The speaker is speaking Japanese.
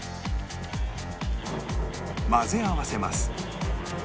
混ぜ合わせます